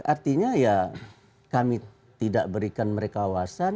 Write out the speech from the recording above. artinya ya kami tidak berikan mereka wawasan